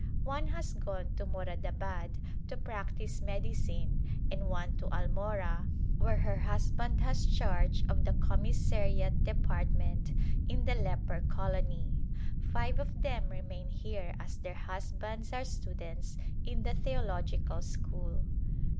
One has gone to Moradabad to practice medicine and one to Almora where her husband has charge of the commissariat de partment in the leper colony ; five of them remain here as their husbands are students in the theological school.